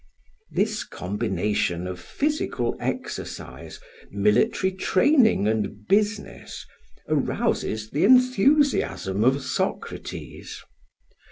This combination of physical exercise, military training and business, arouses the enthusiasm of Socrates.